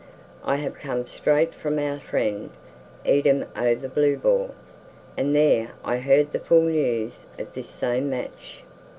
I have come straight from our friend Eadom o' the Blue Boar, and there I heard the full news of this same match.